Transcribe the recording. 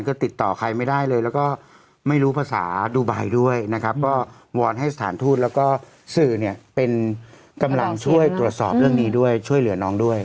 ก็ติดต่อใครไม่ได้เลยแล้วก็ไม่รู้ภาษาดูบายด้วยนะครับก็วอนให้สถานทูตแล้วก็สื่อเนี่ยเป็นกำลังช่วยตรวจสอบเรื่องนี้ด้วยช่วยเหลือน้องด้วย